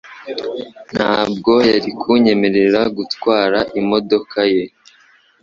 Ntabwo yari kunyemerera gutwara imodoka ye